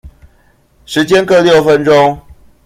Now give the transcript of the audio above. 時間各六分鐘